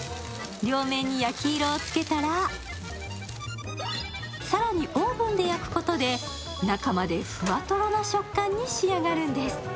両面に焼き色をつけたら、更にオーブンで焼くことで中までふわトロな食感に仕上がるんです。